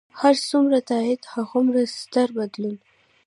هر څومره تایید، هغومره ستر بدلون.